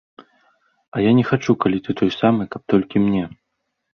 А я не хачу, калі ты той самы, каб толькі мне.